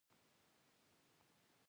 • مینه د تل لپاره یو وفادار احساس دی.